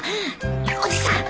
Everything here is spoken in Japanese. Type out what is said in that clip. おじさん